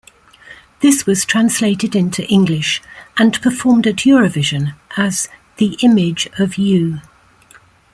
This was translated into English, and performed at Eurovision as "The Image of You".